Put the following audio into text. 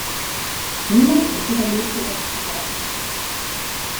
Niemand überlebte das Desaster.